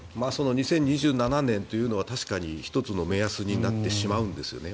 ２０２７年というのは確かに１つの目安になってしまうんですね。